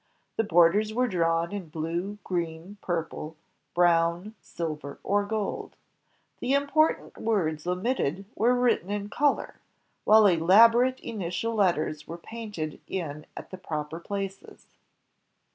The borders were drawn in blue, green, purple, brown, sUver, or gold. The important words omitted were written in color, while elaborate initial letters were painted in at the proper places.